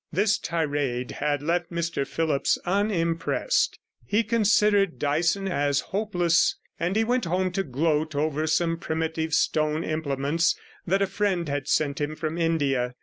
This tirade had left Mr Phillipps unimpressed; he considered Dyson as hopeless, and he went home to gloat over some primitive stone implements that a friend had sent him from India.